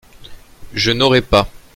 Je n’aurai pas.